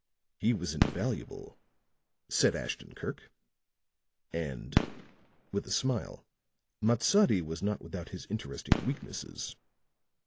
"He was invaluable," said Ashton Kirk. "And," with a smile, "Matsadi was not without his interesting weaknesses."